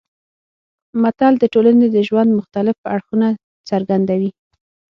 متل د ټولنې د ژوند مختلف اړخونه څرګندوي